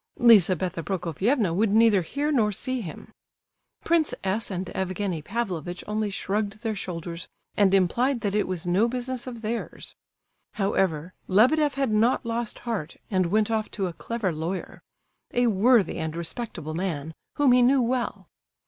Lizabetha Prokofievna would neither hear nor see him. Prince S. and Evgenie Pavlovitch only shrugged their shoulders, and implied that it was no business of theirs. However, Lebedeff had not lost heart, and went off to a clever lawyer,—a worthy and respectable man, whom he knew well.